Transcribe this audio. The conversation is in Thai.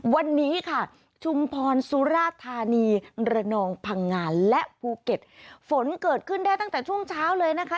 วันนี้ค่ะชุมพรสุราธานีระนองพังงานและภูเก็ตฝนเกิดขึ้นได้ตั้งแต่ช่วงเช้าเลยนะคะ